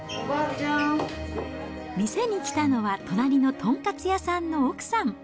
店に来たのは、隣の豚カツ屋さんの奥さん。